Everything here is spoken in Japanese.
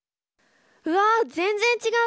うわ全然違う！